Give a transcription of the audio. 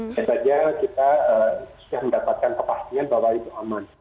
sebenarnya kita sudah mendapatkan kepastian bahwa itu aman